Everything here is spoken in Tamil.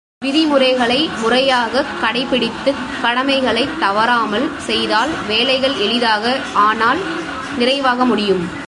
விதிமுறைகளை முறையாகக் கடை பிடித்துக் கடமைகளைத் தவறாமல் செய்தால் வேலைகள் எளிதாக ஆனால் நிறைவாக முடியும்.